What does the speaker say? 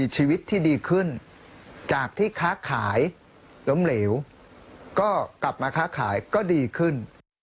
จากที่ค้าขายล้มเหลวก็กลับมาค้าขายก็ดีขึ้น